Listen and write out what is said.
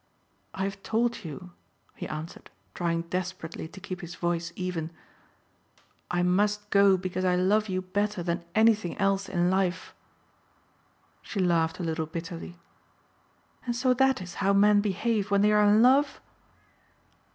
"I have told you," he answered, trying desperately to keep his voice even, "I must go because I love you better than anything else in life." She laughed a little bitterly. "And so that is how men behave when they are in love!"